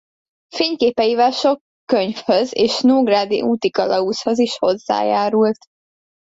Fényképeivel sok könyvhöz és nógrádi útikalauzhoz is hozzájárult.